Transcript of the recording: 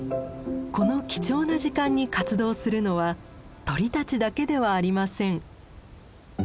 この貴重な時間に活動するのは鳥たちだけではありません。